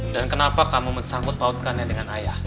dan kenapa kamu menanggut pautkannya dengan ayah